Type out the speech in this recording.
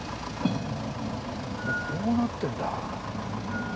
こうなってんだ。